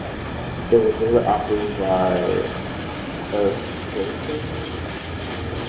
It was later operated by Euskotren.